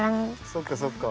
そっかそっか。